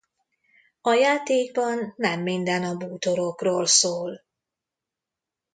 A játékban nem minden a bútorokról szól.